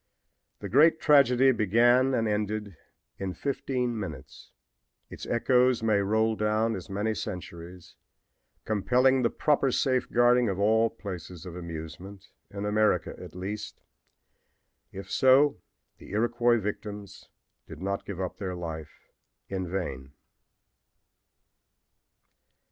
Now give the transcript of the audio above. The great tragedy began and ended in fifteen minutes. Its echoes may roll down as many centuries, compelling the proper safeguarding of all places of amusement, in America at least. If so, the Iroquois victims did not give up their lives in vain.